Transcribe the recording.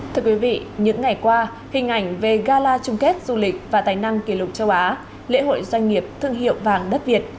thưa quý vị những ngày qua hình ảnh về gala chung kết du lịch và tài năng kỷ lục châu á lễ hội doanh nghiệp thương hiệu vàng đất việt